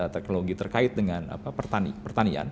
teknologi terkait dengan pertanian